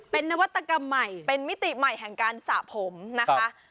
เป็นนวัตกรรมใหม่เป็นมิติใหม่แห่งการสระผมนะคะ